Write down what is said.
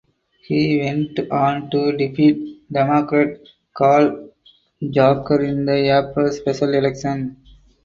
He went on to defeat Democrat Karl Jaeger in the April special election.